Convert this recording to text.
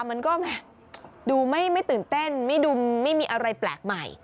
มันก็ดูไม่ตื่นเต้นไม่ดูไม่มีอะไรแปลกใหม่